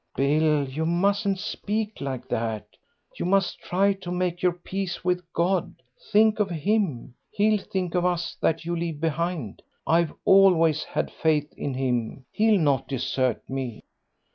"Bill, you mustn't speak like that. You must try to make your peace with God. Think of Him. He'll think of us that you leave behind. I've always had faith in Him. He'll not desert me."